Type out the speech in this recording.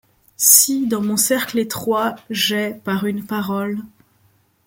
Si, dans mon cercle étroit, j'ai, par une parole